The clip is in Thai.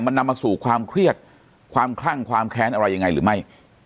มันนำมาสู่ความเครียดความคลั่งความแค้นอะไรยังไงหรือไม่